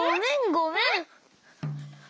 ごめん。